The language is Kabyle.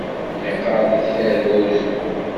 Yeqqaṛ deg Terga Uzemmur